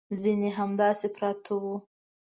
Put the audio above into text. ځینې همداسې پراته وو.